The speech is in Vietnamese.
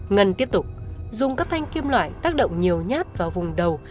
ngân tiếp tục dùng các thanh kim loại tác động nhiều nhát vào vùng đầu